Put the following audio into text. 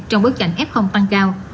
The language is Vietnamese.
trong bối cảnh f tăng cao